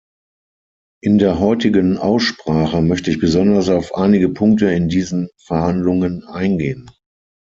In der heutigen Aussprache möchte ich besonders auf einige Punkte in diesen Verhandlungen eingehen.